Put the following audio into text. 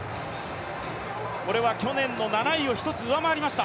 これは去年の７位を１つ上回りました。